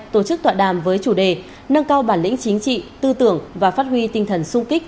tổ chức tọa đàm với chủ đề nâng cao bản lĩnh chính trị tư tưởng và phát huy tinh thần sung kích